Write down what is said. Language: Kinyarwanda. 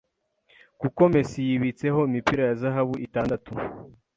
kuko Messi yibitseho imipira ya zahabu itandatu,